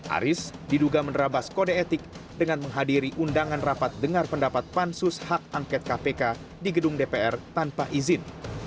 aris diduga menerabas kode etik dengan menghadiri undangan rapat dengar pendapat pansus hak angket kpk di gedung dpr tanpa izin